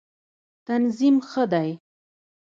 تنظیم ښه دی.